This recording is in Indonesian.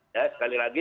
ya sekali lagi